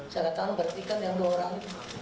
saya katakan berhentikan yang dua orang